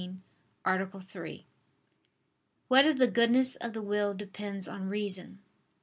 19, Art. 3] Whether the Goodness of the Will Depends on Reason?